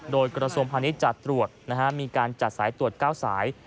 โดยกรสมภัณฑ์นี้จัดตรวจนะครับมีการจัดสายตรวจ๙สาย